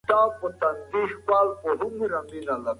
د لمر وړانګې په کوټه کې ننووتې دي.